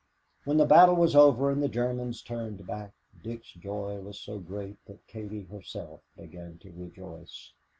When the battle was over and the Germans turned back, Dick's joy was so great that Katie herself began to rejoice.